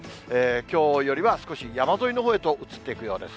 きょうよりは少し、山沿いのほうへと移っていくようです。